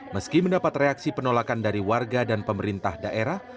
meski mendapat reaksi penolakan dari warga dan pemerintah daerah